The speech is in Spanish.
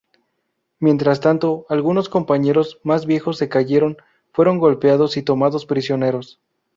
Mientras tanto, algunos compañeros más viejos se cayeron, fueron golpeados y tomados prisioneros.